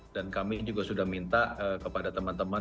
dan kami juga sudah minta kepada teman teman